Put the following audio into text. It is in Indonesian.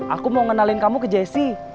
aku mau ngenalin kamu ke jesse